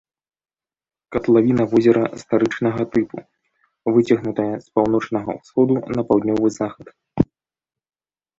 Катлавіна возера старычнага тыпу, выцягнутая з паўночнага ўсходу на паўднёвы захад.